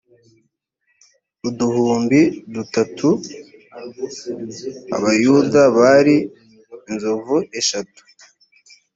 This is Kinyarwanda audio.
uduhumbi dutatu abayuda bari inzovu eshatu